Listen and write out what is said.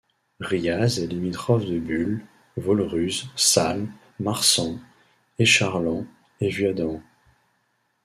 Riaz est limitrophe de Bulle, Vaulruz, Sâles, Marsens, Echarlens et Vuadens.